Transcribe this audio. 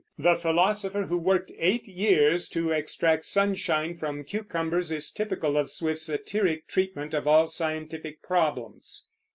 The philosopher who worked eight years to extract sunshine from cucumbers is typical of Swift's satiric treatment of all scientific problems.